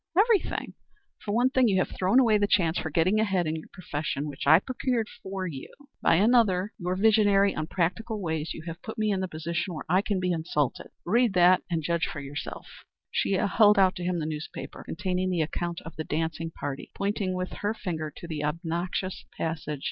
Everything. For one thing you have thrown away the chance for getting ahead in your profession which I procured for you. For another, by your visionary, unpractical ways, you have put me in the position where I can be insulted. Read that, and judge for yourself." She held out to him the newspaper containing the account of the dancing party, pointing with her finger to the obnoxious passage.